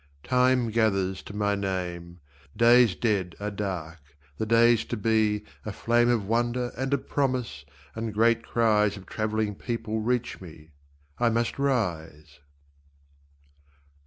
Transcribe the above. Time gathers to my name Days dead are dark; the days to be, a flame Of wonder and of promise, and great cries Of travelling people reach me I must rise.